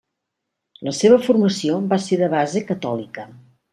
La seva formació va ser de base catòlica.